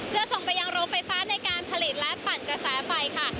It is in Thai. เพื่อส่งไปยังโรงไฟฟ้าในการผลิตและปั่นกระแสไฟค่ะ